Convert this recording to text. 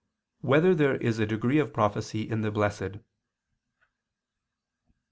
6] Whether There Is a Degree of Prophecy in the Blessed?